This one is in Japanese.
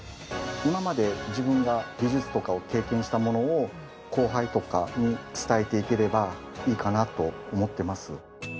今まで自分が技術とか経験したものを後輩とかに伝えていければいいかなと思ってます。